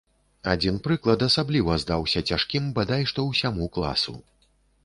Адзін прыклад асабліва здаўся цяжкім бадай што ўсяму класу.